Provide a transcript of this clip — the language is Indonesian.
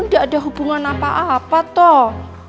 tidak ada hubungan apa apa toh